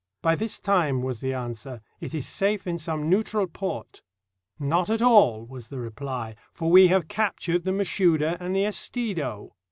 "By this time," was the answer, "it is safe in some neutral port." "Not all of it," was the reply, "for we have captured the Mashouda and the Estido."